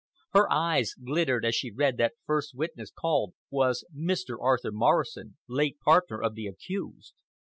Her eyes glittered as she read that the first witness called was Mr. Arthur Morrison, late partner of the accused.